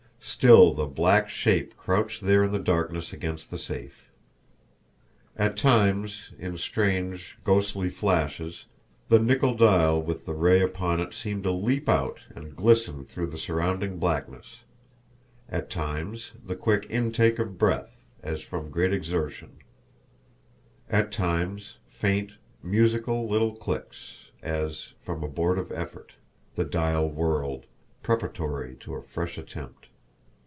Still the black shape crouched there in the darkness against the safe. At times, in strange, ghostly flashes, the nickel dial with the ray upon it seemed to leap out and glisten through the surrounding blackness; at times, the quick intake of breath, as from great exertion; at times, faint, musical little clicks, as, after abortive effort, the dial whirled, preparatory to a fresh attempt.